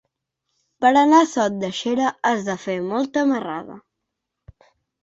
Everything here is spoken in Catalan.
Per anar a Sot de Xera has de fer molta marrada.